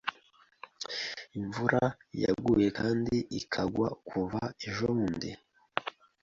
Imvura yaguye kandi ikagwa kuva ejobundi.